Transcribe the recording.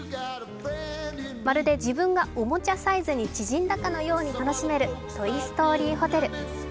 まるで自分がおもちゃサイズに縮んだかのように楽しめるトイ・ストーリーホテル。